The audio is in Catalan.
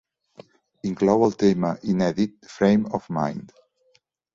Inclou el tema inèdit "Frame of Mind".